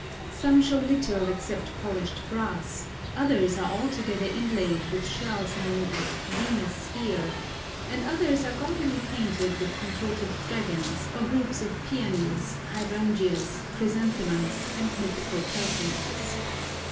Some show little except polished brass, others are altogether inlaid with shells known as Venus's ear, and others are gaudily painted with contorted dragons, or groups of peonies, hydrangeas, chrysanthemums, and mythical personages.